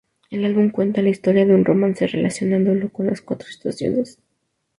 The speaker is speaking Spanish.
El álbum cuenta la historia de un romance relacionándolo con las cuatro estaciones.